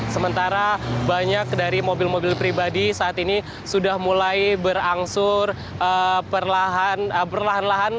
sementara banyak dari mobil mobil pribadi saat ini sudah mulai berangsur perlahan lahan